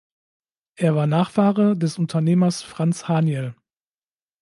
Er war Nachfahre des Unternehmers Franz Haniel.